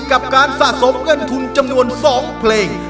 กับการสะสมเงินทุนจำนวน๒เพลง